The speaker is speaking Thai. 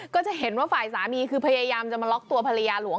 ก็จะเห็นว่าฝ่ายสามีคือพยายามจะมาล็อกตัวภรรยาหลวง